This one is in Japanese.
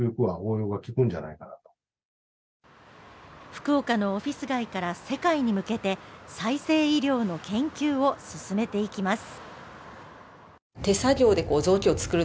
福岡のオフィス街から世界に向けて再生医療の研究を進めていきます。